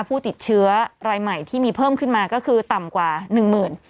ผู้ติดเชื้อรายใหม่ที่มีเพิ่มขึ้นมาก็คือต่ำกว่าหนึ่งหมื่น